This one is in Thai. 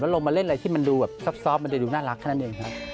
แล้วลงมาเล่นอะไรที่มันดูซอบมันจะดูน่ารักขนาดหนึ่งครับ